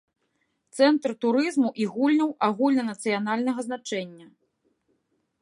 Цэнтр турызму і гульняў агульнанацыянальнага значэння.